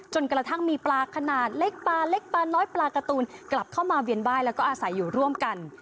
กระทั่งมีปลาขนาดเล็กปลาเล็กปลาน้อยปลาการ์ตูนกลับเข้ามาเวียนไหว้แล้วก็อาศัยอยู่ร่วมกัน